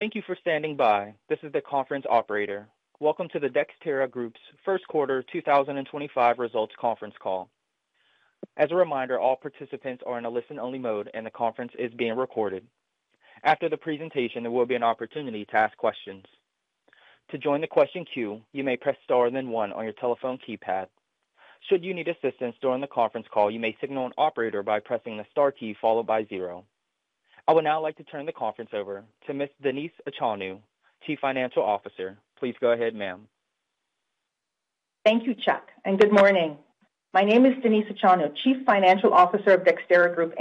Thank you for standing by. This is the conference operator. Welcome to the Dexterra Group's first quarter 2025 results conference call. As a reminder, all participants are in a listen-only mode, and the conference is being recorded. After the presentation, there will be an opportunity to ask questions. To join the question queue, you may press star then one on your telephone keypad. Should you need assistance during the conference call, you may signal an operator by pressing the star key followed by zero. I would now like to turn the conference over to Ms. Denise Achonu, Chief Financial Officer. Please go ahead, ma'am. Thank you, Chuck, and good morning. My name is Denise Achonu, Chief Financial Officer of Dexterra Group.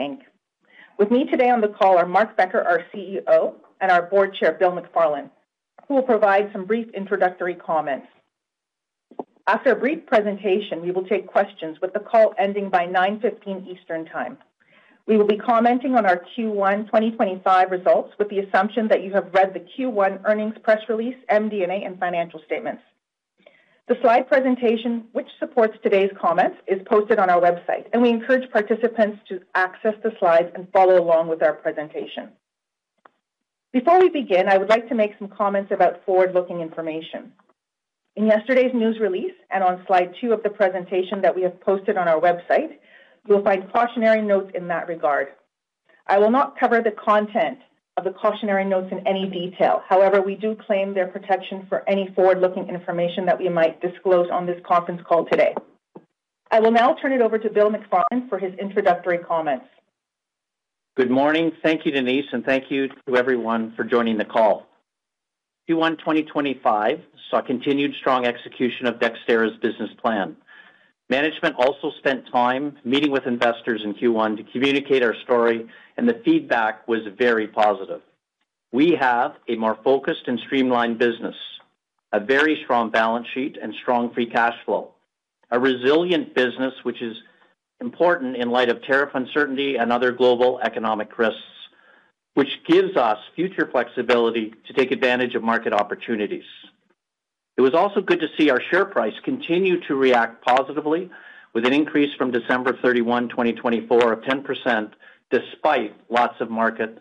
With me today on the call are Mark Becker, our CEO, and our Board Chair, Bill McFarland, who will provide some brief introductory comments. After a brief presentation, we will take questions with the call ending by 9:15 A.M. Eastern Time. We will be commenting on our Q1 2025 results with the assumption that you have read the Q1 earnings press release, MD&A, and financial statements. The slide presentation, which supports today's comments, is posted on our website, and we encourage participants to access the slides and follow along with our presentation. Before we begin, I would like to make some comments about forward-looking information. In yesterday's news release and on slide II of the presentation that we have posted on our website, you will find cautionary notes in that regard. I will not cover the content of the cautionary notes in any detail. However, we do claim their protection for any forward-looking information that we might disclose on this conference call today. I will now turn it over to Bill McFarland for his introductory comments. Good morning. Thank you, Denise, and thank you to everyone for joining the call. Q1 2025 saw continued strong execution of Dexterra's business plan. Management also spent time meeting with investors in Q1 to communicate our story, and the feedback was very positive. We have a more focused and streamlined business, a very strong balance sheet, and strong free cash flow. A resilient business, which is important in light of tariff uncertainty and other global economic risks, which gives us future flexibility to take advantage of market opportunities. It was also good to see our share price continue to react positively with an increase from December 31, 2024, of 10% despite lots of market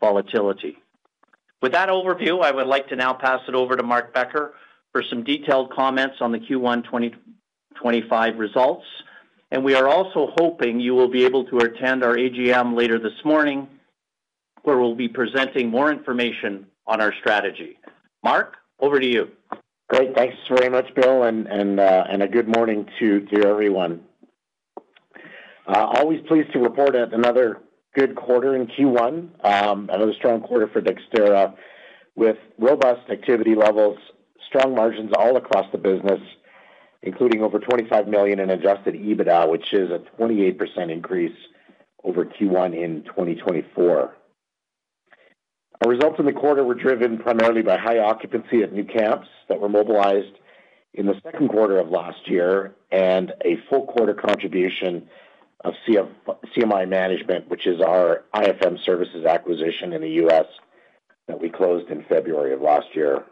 volatility. With that overview, I would like to now pass it over to Mark Becker for some detailed comments on the Q1 2025 results, and we are also hoping you will be able to attend our AGM later this morning, where we will be presenting more information on our strategy. Mark, over to you. Great. Thanks very much, Bill, and a good morning to everyone. Always pleased to report another good quarter in Q1, another strong quarter for Dexterra with robust activity levels, strong margins all across the business, including over 25 million in adjusted EBITDA, which is a 28% increase over Q1 in 2024. Our results in the quarter were driven primarily by high occupancy of new camps that were mobilized in the second quarter of last year and a full quarter contribution of CMI Management, which is our IFM services acquisition in the U.S. that we closed in February of last year.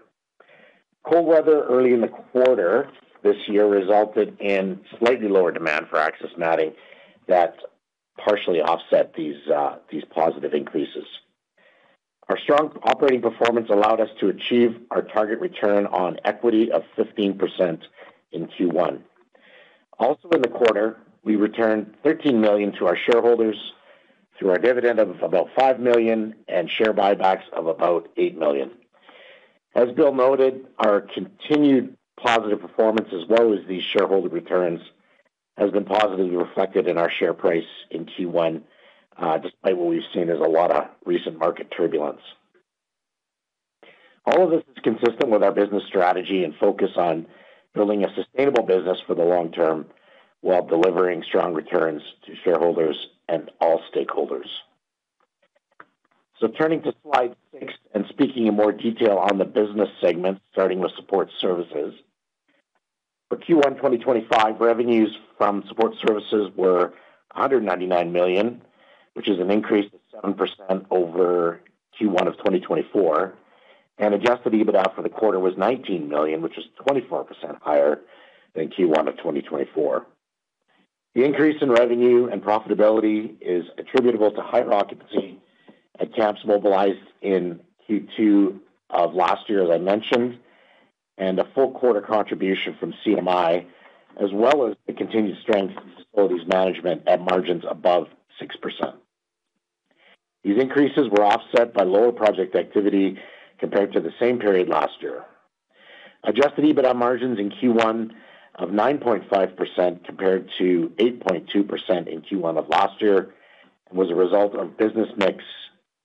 Cold weather early in the quarter this year resulted in slightly lower demand for access matting that partially offset these positive increases. Our strong operating performance allowed us to achieve our target return on equity of 15% in Q1. Also in the quarter, we returned 13 million to our shareholders through our dividend of about 5 million and share buybacks of about 8 million. As Bill noted, our continued positive performance, as well as these shareholder returns, has been positively reflected in our share price in Q1 despite what we've seen as a lot of recent market turbulence. All of this is consistent with our business strategy and focus on building a sustainable business for the long term while delivering strong returns to shareholders and all stakeholders. Turning to slide VI and speaking in more detail on the business segment, starting with support services. For Q1 2025, revenues from support services were 199 million, which is an increase of 7% over Q1 of 2024, and adjusted EBITDA for the quarter was 19 million, which is 24% higher than Q1 of 2024. The increase in revenue and profitability is attributable to higher occupancy and camps mobilized in Q2 of last year, as I mentioned, and a full quarter contribution from CMI, as well as the continued strength of facilities management at margins above 6%. These increases were offset by lower project activity compared to the same period last year. Adjusted EBITDA margins in Q1 of 9.5% compared to 8.2% in Q1 of last year was a result of business mix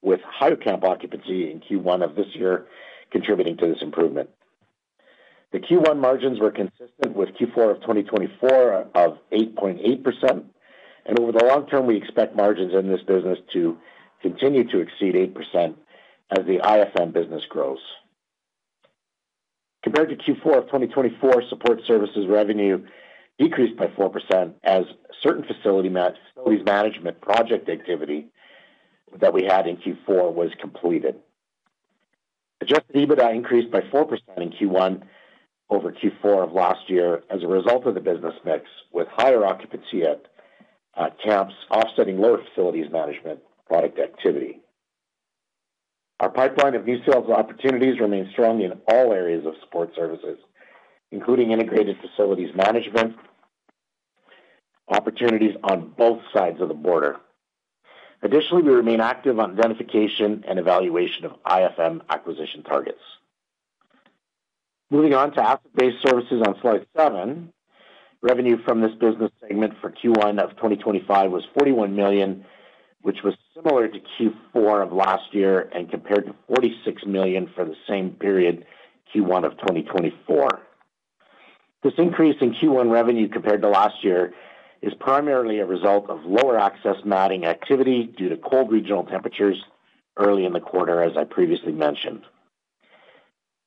with higher camp occupancy in Q1 of this year contributing to this improvement. The Q1 margins were consistent with Q4 of 2024 of 8.8%, and over the long term, we expect margins in this business to continue to exceed 8% as the IFM business grows. Compared to Q4 of 2024, support services revenue decreased by 4% as certain facility management project activity that we had in Q4 was completed. Adjusted EBITDA increased by 4% in Q1 over Q4 of last year as a result of the business mix with higher occupancy at camps offsetting lower facilities management product activity. Our pipeline of new sales opportunities remains strong in all areas of support services, including Integrated Facilities Management opportunities on both sides of the border. Additionally, we remain active on identification and evaluation of IFM acquisition targets. Moving on to asset-based services on slide VII, revenue from this business segment for Q1 of 2025 was 41 million, which was similar to Q4 of last year and compared to 46 million for the same period Q1 of 2024. This decrease in Q1 revenue compared to last year is primarily a result of lower access matting activity due to cold regional temperatures early in the quarter, as I previously mentioned.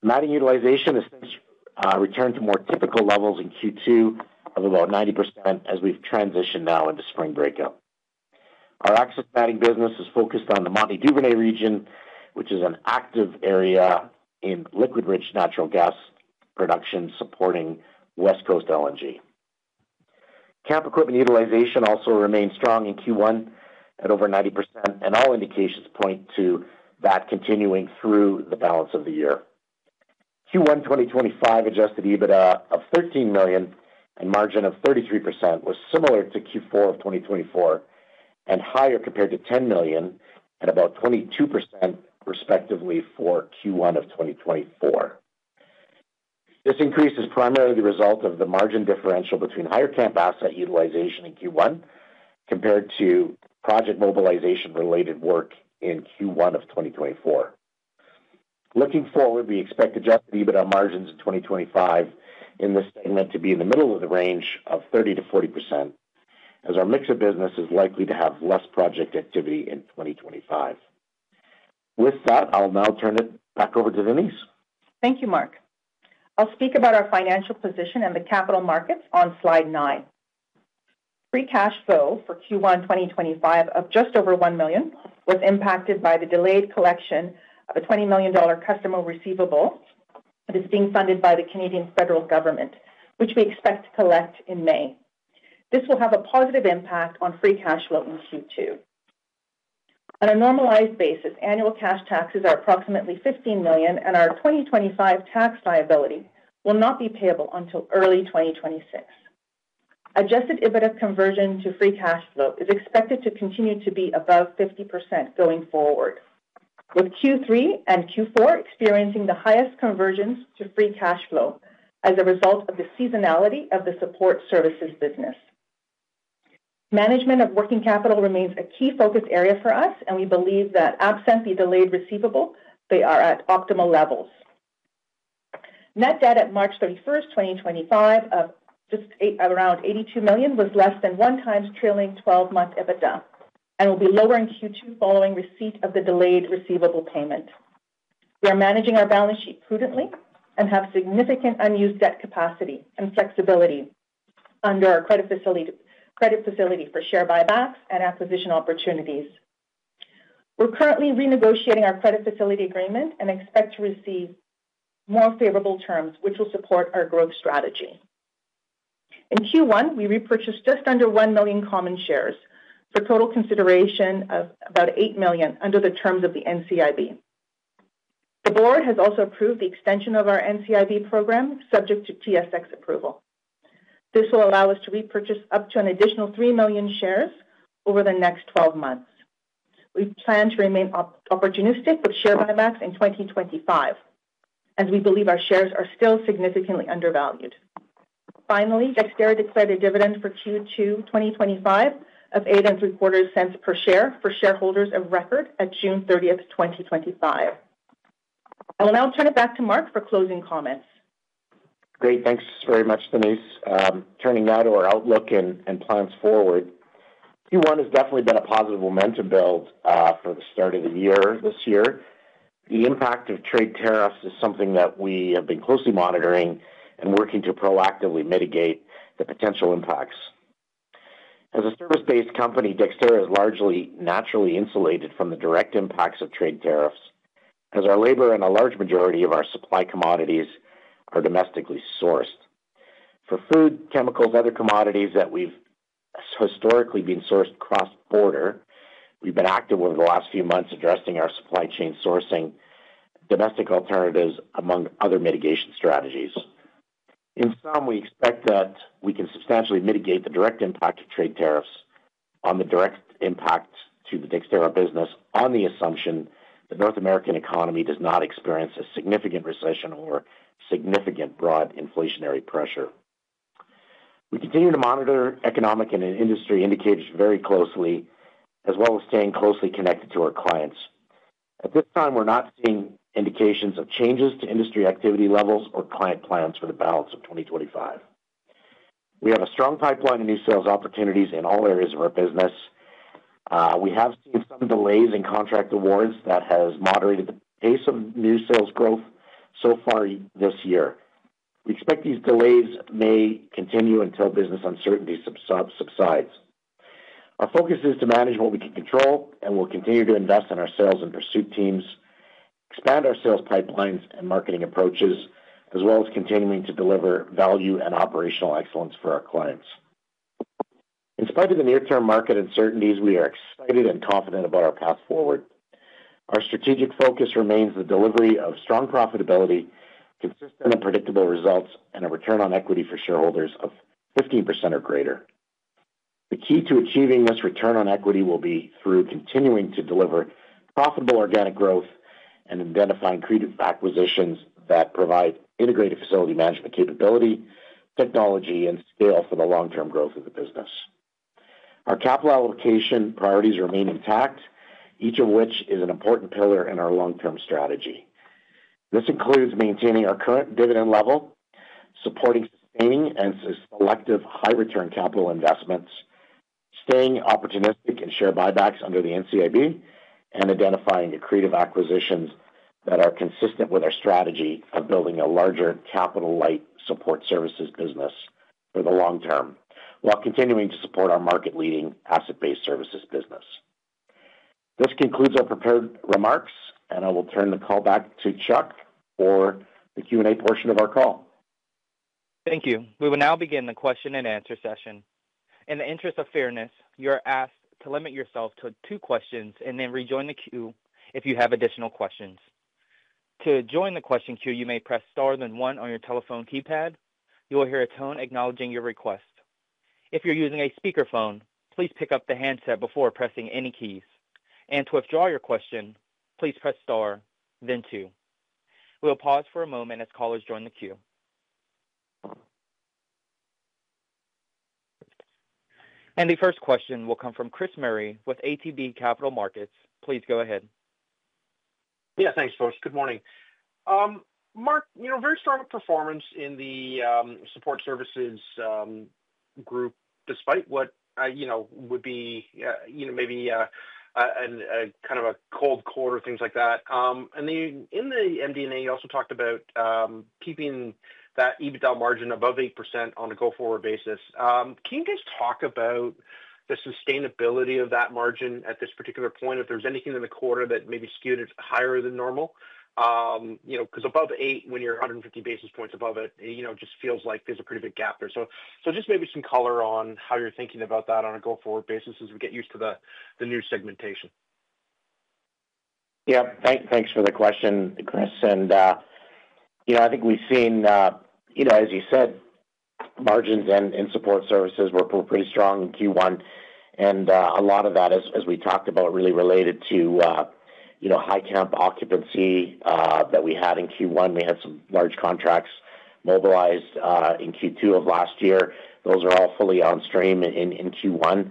Matting utilization has since returned to more typical levels in Q2 of about 90% as we've transitioned now into spring breakup. Our access matting business is focused on the Montney and Duvernay region, which is an active area in liquid-rich natural gas production supporting West Coast LNG. Camp equipment utilization also remains strong in Q1 at over 90%, and all indications point to that continuing through the balance of the year. Q1 2025 adjusted EBITDA of 13 million and margin of 33% was similar to Q4 of 2024 and higher compared to 10 million and about 22% respectively for Q1 of 2024. This increase is primarily the result of the margin differential between higher camp asset utilization in Q1 compared to project mobilization-related work in Q1 of 2024. Looking forward, we expect adjusted EBITDA margins in 2025 in this segment to be in the middle of the range of 30%-40%, as our mix of business is likely to have less project activity in 2025. With that, I'll now turn it back over to Denise. Thank you, Mark. I'll speak about our financial position and the capital markets on slide IX. Free cash flow for Q1 2025 of just over 1 million was impacted by the delayed collection of a 20 million dollar customer receivable that is being funded by the Canadian Federal Government, which we expect to collect in May. This will have a positive impact on free cash flow in Q2. On a normalized basis, annual cash taxes are approximately 15 million, and our 2025 tax liability will not be payable until early 2026. Adjusted EBITDA conversion to free cash flow is expected to continue to be above 50% going forward, with Q3 and Q4 experiencing the highest conversions to free cash flow as a result of the seasonality of the support services business. Management of working capital remains a key focus area for us, and we believe that absent the delayed receivable, they are at optimal levels. Net debt at March 31st, 2025, of just around 82 million was less than one-time trailing 12-month EBITDA and will be lower in Q2 following receipt of the delayed receivable payment. We are managing our balance sheet prudently and have significant unused debt capacity and flexibility under our credit facility for share buybacks and acquisition opportunities. We're currently renegotiating our credit facility agreement and expect to receive more favorable terms, which will support our growth strategy. In Q1, we repurchased just under 1 million common shares for total consideration of about 8 million under the terms of the NCIB. The board has also approved the extension of our NCIB program, subject to TSX approval. This will allow us to repurchase up to an additional 3 million shares over the next 12 months. We plan to remain opportunistic with share buybacks in 2025, as we believe our shares are still significantly undervalued. Finally, Dexterra declared a dividend for Q2 2025 of 0.03 per share for shareholders of record at June 30th, 2025. I will now turn it back to Mark for closing comments. Great. Thanks very much, Denise. Turning now to our outlook and plans forward, Q1 has definitely been a positive momentum build for the start of the year this year. The impact of trade tariffs is something that we have been closely monitoring and working to proactively mitigate the potential impacts. As a service-based company, Dexterra is largely naturally insulated from the direct impacts of trade tariffs, as our labor and a large majority of our supply commodities are domestically sourced. For food, chemicals, and other commodities that we've historically been sourced cross-border, we've been active over the last few months addressing our supply chain sourcing, domestic alternatives, among other mitigation strategies. In sum, we expect that we can substantially mitigate the direct impact of trade tariffs on the direct impact to the Dexterra business on the assumption the North American economy does not experience a significant recession or significant broad inflationary pressure. We continue to monitor economic and industry indicators very closely, as well as staying closely connected to our clients. At this time, we're not seeing indications of changes to industry activity levels or client plans for the balance of 2025. We have a strong pipeline of new sales opportunities in all areas of our business. We have seen some delays in contract awards that have moderated the pace of new sales growth so far this year. We expect these delays may continue until business uncertainty subsides. Our focus is to manage what we can control, and we'll continue to invest in our sales and pursuit teams, expand our sales pipelines and marketing approaches, as well as continuing to deliver value and operational excellence for our clients. In spite of the near-term market uncertainties, we are excited and confident about our path forward. Our strategic focus remains the delivery of strong profitability, consistent and predictable results, and a return on equity for shareholders of 15% or greater. The key to achieving this return on equity will be through continuing to deliver profitable organic growth and identifying creative acquisitions that provide integrated facility management capability, technology, and scale for the long-term growth of the business. Our capital allocation priorities remain intact, each of which is an important pillar in our long-term strategy. This includes maintaining our current dividend level, supporting sustaining and selective high-return capital investments, staying opportunistic in share buybacks under the NCIB, and identifying accretive acquisitions that are consistent with our strategy of building a larger capital-light support services business for the long term while continuing to support our market-leading asset-based services business. This concludes our prepared remarks, and I will turn the call back to Chuck for the Q&A portion of our call. Thank you. We will now begin the question-and-answer session. In the interest of fairness, you are asked to limit yourself to two questions and then rejoin the queue if you have additional questions. To join the question queue, you may press star then one on your telephone keypad. You will hear a tone acknowledging your request. If you're using a speakerphone, please pick up the handset before pressing any keys. To withdraw your question, please press star, then two. We will pause for a moment as callers join the queue. The first question will come from Chris Murray with ATB Capital Markets. Please go ahead. Yeah, thanks, folks. Good morning. Mark, you know, very strong performance in the support services group, despite what would be maybe kind of a cold call or things like that. And in the MD&A, you also talked about keeping that EBITDA margin above 8% on a go-forward basis. Can you guys talk about the sustainability of that margin at this particular point, if there's anything in the quarter that maybe skewed it higher than normal? Because above eight, when you're 150 basis points above it, it just feels like there's a pretty big gap there. Just maybe some color on how you're thinking about that on a go-forward basis as we get used to the new segmentation. Yeah, thanks for the question, Chris. I think we've seen, as you said, margins in support services were pretty strong in Q1. A lot of that, as we talked about, really related to high camp occupancy that we had in Q1. We had some large contracts mobilized in Q2 of last year. Those are all fully on stream in Q1.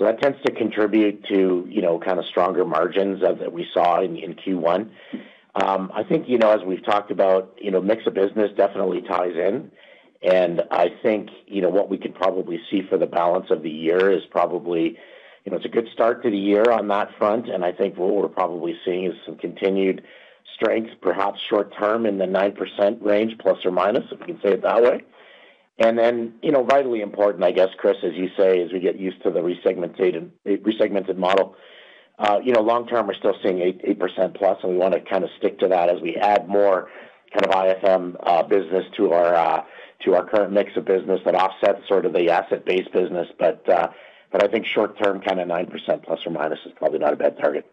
That tends to contribute to kind of stronger margins that we saw in Q1. I think, as we've talked about, mix of business definitely ties in. I think what we could probably see for the balance of the year is probably it's a good start to the year on that front. I think what we're probably seeing is some continued strength, perhaps short-term in the 9% range, plus or minus, if we can say it that way. Vitally important, I guess, Chris, as you say, as we get used to the resegmented model, long-term, we're still seeing 8% plus, and we want to kind of stick to that as we add more kind of IFM business to our current mix of business that offsets sort of the asset-based business. I think short-term, kind of 9% plus or minus is probably not a bad target.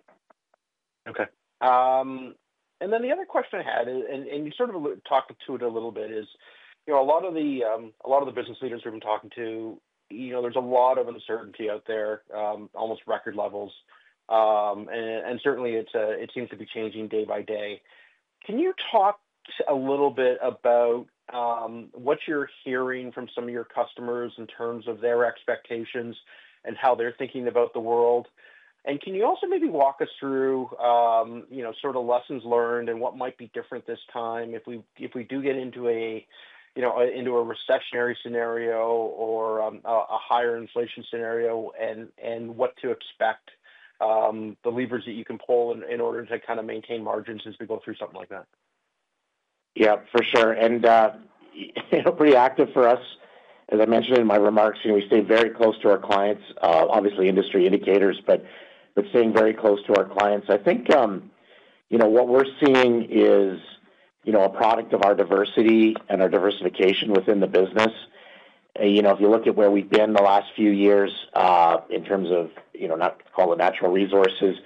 Okay. The other question I had, and you sort of talked to it a little bit, is a lot of the business leaders we've been talking to, there's a lot of uncertainty out there, almost record levels. It certainly seems to be changing day by day. Can you talk a little bit about what you're hearing from some of your customers in terms of their expectations and how they're thinking about the world? Can you also maybe walk us through sort of lessons learned and what might be different this time if we do get into a recessionary scenario or a higher inflation scenario and what to expect, the levers that you can pull in order to kind of maintain margins as we go through something like that? Yeah, for sure. Pretty active for us. As I mentioned in my remarks, we stay very close to our clients, obviously industry indicators, but staying very close to our clients. I think what we're seeing is a product of our diversity and our diversification within the business. If you look at where we've been the last few years in terms of, not to call it natural resources,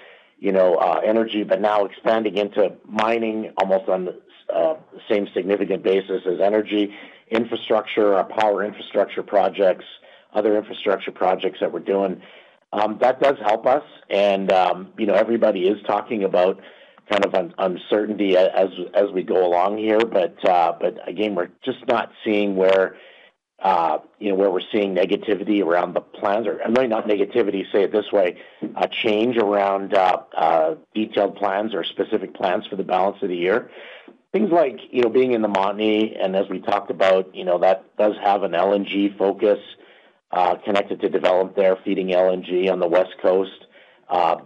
energy, but now expanding into mining almost on the same significant basis as energy, infrastructure, our power infrastructure projects, other infrastructure projects that we're doing. That does help us. Everybody is talking about kind of uncertainty as we go along here. Again, we're just not seeing where we're seeing negativity around the plans. Or maybe not negativity, say it this way, a change around detailed plans or specific plans for the balance of the year. Things like being in the Montney, and as we talked about, that does have an LNG focus connected to develop there feeding LNG on the West Coast,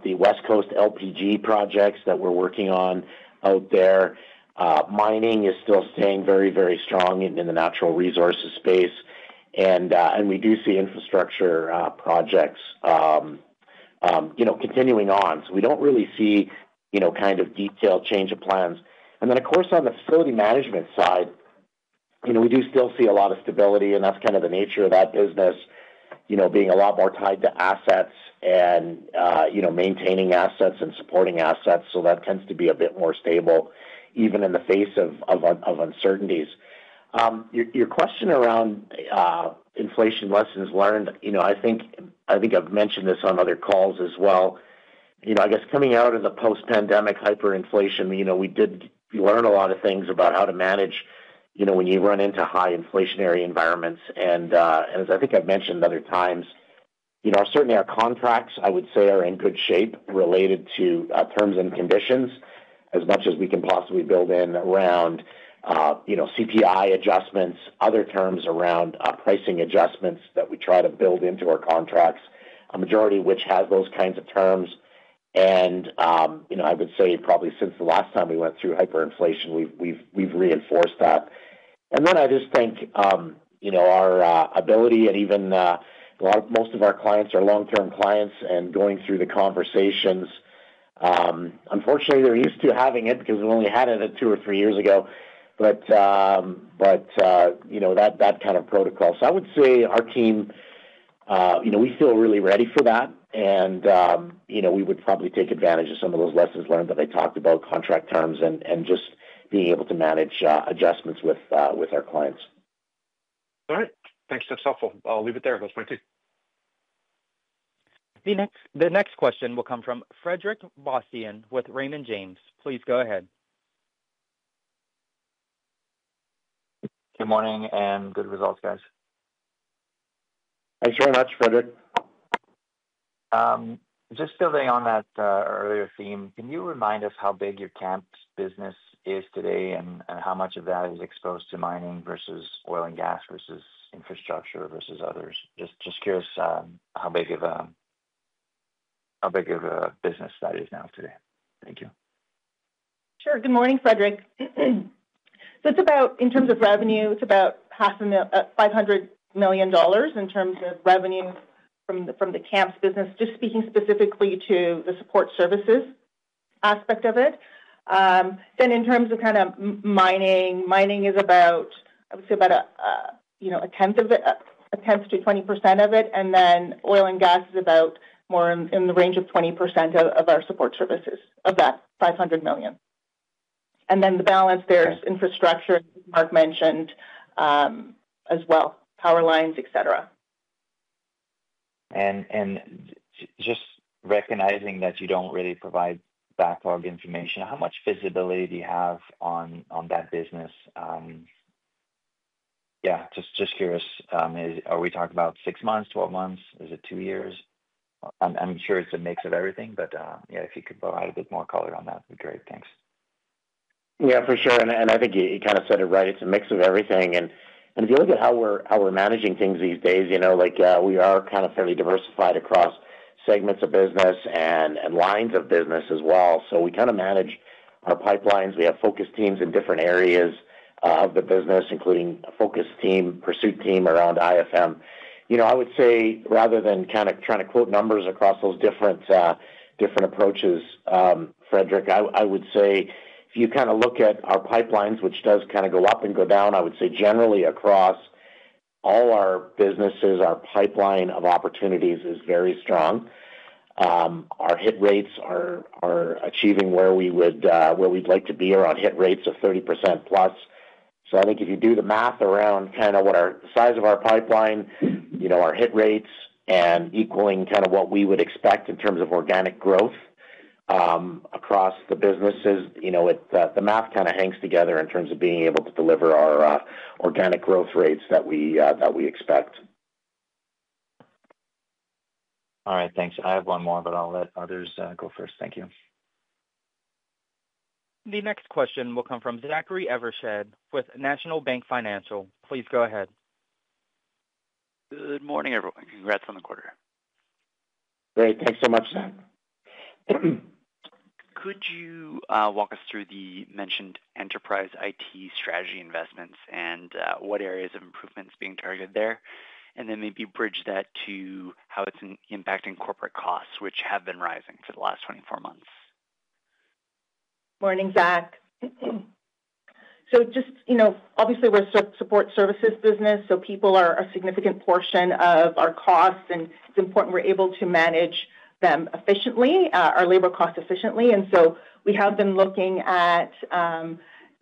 the West Coast LPG projects that we're working on out there. Mining is still staying very, very strong in the natural resources space. We do see Infrastructure projects continuing on. We don't really see kind of detailed change of plans. Of course, on the facility management side, we do still see a lot of stability, and that's kind of the nature of that business, being a lot more tied to assets and maintaining assets and supporting assets. That tends to be a bit more stable, even in the face of uncertainties. Your question around inflation lessons learned, I think I've mentioned this on other calls as well. I guess coming out of the post-pandemic hyperinflation, we did learn a lot of things about how to manage when you run into high inflationary environments. As I think I've mentioned other times, certainly our contracts, I would say, are in good shape related to terms and conditions as much as we can possibly build in around CPI adjustments, other terms around pricing adjustments that we try to build into our contracts, a majority of which has those kinds of terms. I would say probably since the last time we went through hyperinflation, we've reinforced that. I just think our ability and even most of our clients are long-term clients. Going through the conversations, unfortunately, they're used to having it because we only had it two or three years ago, but that kind of protocol. I would say our team, we feel really ready for that. We would probably take advantage of some of those lessons learned that I talked about, contract terms, and just being able to manage adjustments with our clients. All right. Thanks. That's helpful. I'll leave it there. That's fine too. The next question will come from Frederic Bastien with Raymond James. Please go ahead. Good morning and good results, guys. Thanks very much, Frederic. Just still on that earlier theme, can you remind us how big your camp business is today and how much of that is exposed to mining versus oil and gas versus infrastructure versus others? Just curious how big of a business that is now today. Thank you. Sure. Good morning, Frederick. In terms of revenue, it's about 500 million dollars in terms of revenue from the Camps business, just speaking specifically to the support services aspect of it. In terms of kind of mining, mining is about, I would say, about a tenth to 20% of it. Oil and gas is about more in the range of 20% of our support services of that 500 million. The balance, there's Infrastructure Mark mentioned as well, power lines, etc. Just recognizing that you don't really provide backlog information, how much visibility do you have on that business? Yeah, just curious. Are we talking about six months, 12 months? Is it two years? I'm sure it's a mix of everything, but yeah, if you could provide a bit more color on that, it'd be great. Thanks. Yeah, for sure. I think you kind of said it right. It's a mix of everything. If you look at how we're managing things these days, we are kind of fairly diversified across segments of business and lines of business as well. We kind of manage our pipelines. We have focus teams in different areas of the business, including a focus team, pursuit team around IFM. I would say, rather than kind of trying to quote numbers across those different approaches, Frederic, I would say if you kind of look at our pipelines, which does kind of go up and go down, I would say generally across all our businesses, our pipeline of opportunities is very strong. Our hit rates are achieving where we would like to be around hit rates of 30%+. I think if you do the math around kind of the size of our pipeline, our hit rates, and equaling kind of what we would expect in terms of organic growth across the businesses, the math kind of hangs together in terms of being able to deliver our organic growth rates that we expect. All right. Thanks. I have one more, but I'll let others go first. Thank you. The next question will come from Zachary Evershed with National Bank Financial. Please go ahead. Good morning, everyone. Congrats on the quarter. Great. Thanks so much, Zach. Could you walk us through the mentioned enterprise IT strategy investments and what areas of improvement are being targeted there? Maybe bridge that to how it's impacting corporate costs, which have been rising for the last 24 months. Morning, Zach. Just obviously, we're a support services business, so people are a significant portion of our costs, and it's important we're able to manage them efficiently, our labor costs efficiently. We have been looking at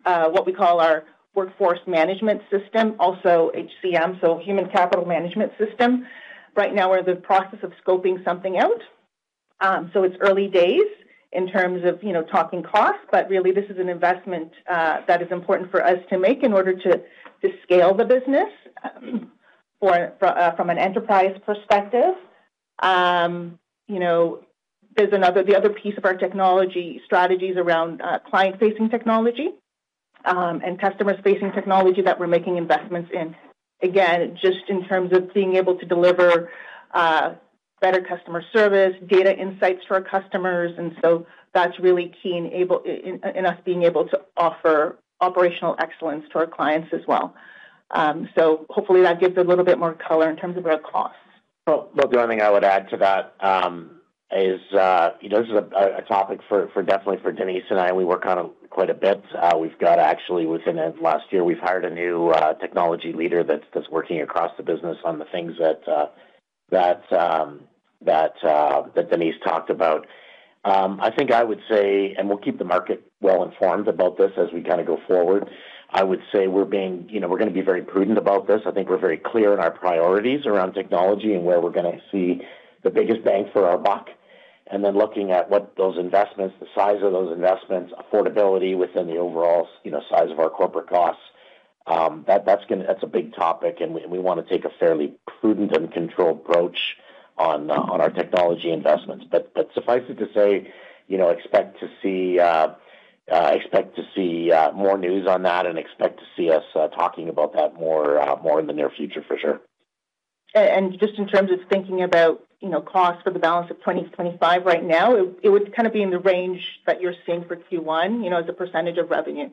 what we call our workforce management system, also HCM, so human capital management system. Right now, we're in the process of scoping something out. It's early days in terms of talking costs, but really, this is an investment that is important for us to make in order to scale the business from an enterprise perspective. There's another piece of our technology strategies around client-facing technology and customer-facing technology that we're making investments in. Again, just in terms of being able to deliver better customer service, data insights to our customers. That's really key in us being able to offer operational excellence to our clients as well. Hopefully, that gives a little bit more color in terms of our costs. The only thing I would add to that is this is a topic definitely for Denise and I. We work on it quite a bit. We've got, actually, within the last year, we've hired a new technology leader that's working across the business on the things that Denise talked about. I think I would say, and we'll keep the market well informed about this as we kind of go forward, I would say we're going to be very prudent about this. I think we're very clear in our priorities around technology and where we're going to see the biggest bang for our buck. Looking at what those investments, the size of those investments, affordability within the overall size of our corporate costs, that's a big topic. We want to take a fairly prudent and controlled approach on our technology investments. Suffice it to say, expect to see more news on that and expect to see us talking about that more in the near future, for sure. Just in terms of thinking about costs for the balance of 2025 right now, it would kind of be in the range that you're seeing for Q1 as a % of revenue.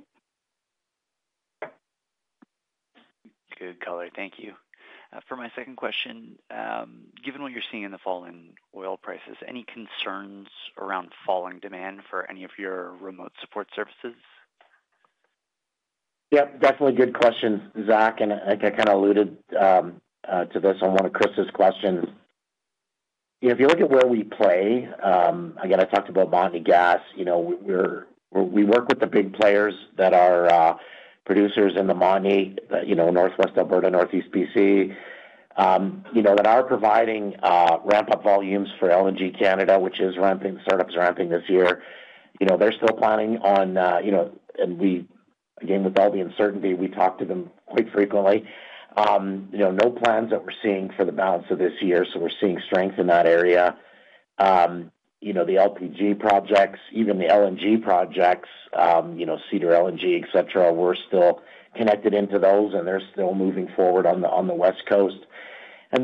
Good color. Thank you. For my second question, given what you're seeing in the fall in oil prices, any concerns around falling demand for any of your remote support services? Yeah, definitely good question, Zach. I think I kind of alluded to this on one of Chris's question. If you look at where we play, again, I talked about Montney gas. We work with the big players that are producers in the Montney, northwest Alberta, northeast BC, that are providing ramp-up volumes for LNG Canada, which is ramping. Startups are ramping this year. They're still planning on, and again, with all the uncertainty, we talk to them quite frequently. No plans that we're seeing for the balance of this year. We're seeing strength in that area. The LPG projects, even the LNG projects, Cedar LNG, etc., we're still connected into those, and they're still moving forward on the West Coast.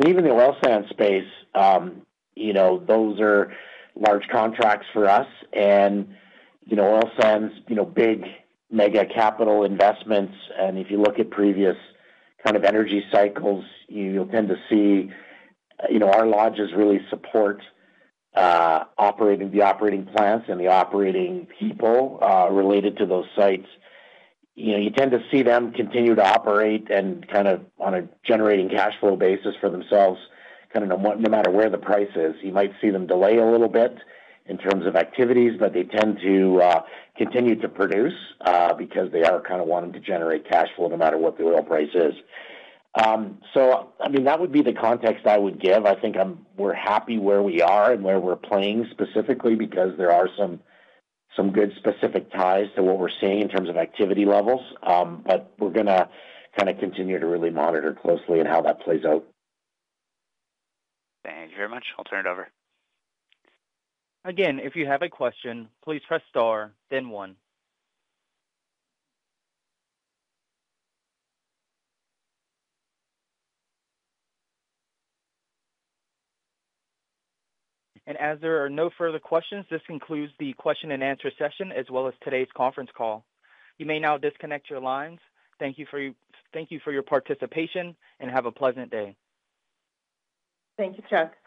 Even the oil sands space, those are large contracts for us. Oil sands, big mega capital investments. If you look at previous kind of energy cycles, you'll tend to see our lodges really support operating the operating plants and the operating people related to those sites. You tend to see them continue to operate and kind of on a generating cash flow basis for themselves, kind of no matter where the price is. You might see them delay a little bit in terms of activities, but they tend to continue to produce because they are kind of wanting to generate cash flow no matter what the oil price is. I mean, that would be the context I would give. I think we're happy where we are and where we're playing specifically because there are some good specific ties to what we're seeing in terms of activity levels. We're going to kind of continue to really monitor closely and how that plays out. Thank you very much. I'll turn it over. Again, if you have a question, please press star, then one. As there are no further questions, this concludes the question and answer session as well as today's conference call. You may now disconnect your lines. Thank you for your participation and have a pleasant day. Thank you, Chuck.